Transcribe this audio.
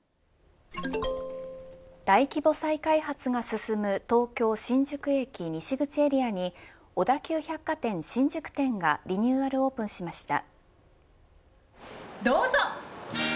大規模再開発が進む東京、新宿駅西口エリアに小田急百貨店新宿店がリニューアルオープンしました。